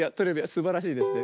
すばらしいですね。